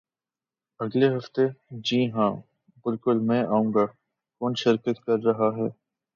اگلے ہفتے؟ جی ہاں، بالکل میں آئوں گا. کون شرکت کر رہا ہے؟